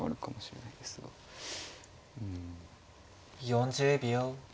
４０秒。